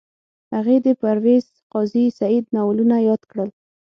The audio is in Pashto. هغې د پرویز قاضي سعید ناولونه یاد کړل